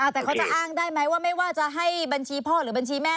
แต่เขาจะอ้างได้ไหมว่าไม่ว่าจะให้บัญชีพ่อหรือบัญชีแม่